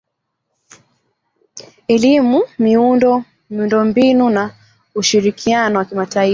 elimu miundo mbinu na ushirikiano wa kimataifa